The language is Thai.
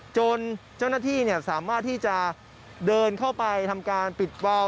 จนเจ้าหน้าที่สามารถที่จะเดินเข้าไปทำการปิดวาว